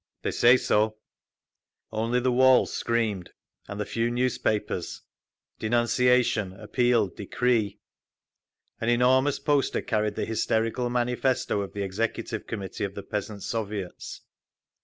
_ "They say so…." Only the walls screamed, and the few newspapers; denunciation, appeal, decree…. An enormous poster carried the hysterical manifesto of the Executive Committee of the Peasants' Soviets: ….